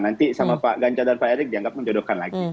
nanti sama pak ganjar dan pak erik dianggap menjodohkan lagi